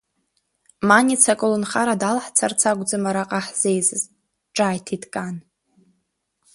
Маница аколнхара далҳцарц акәӡам араҟа ҳзеизаз, ҿааиҭит Кан.